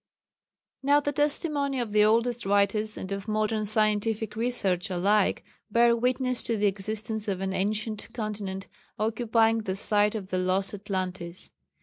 Now the testimony of the oldest writers and of modern scientific research alike bear witness to the existence of an ancient continent occupying the site of the lost Atlantis.